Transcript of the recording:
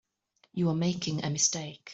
You are making a mistake.